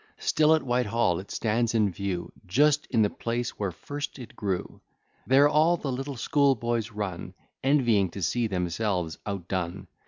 Still at Whitehall it stands in view, Just in the place where first it grew; There all the little schoolboys run, Envying to see themselves outdone.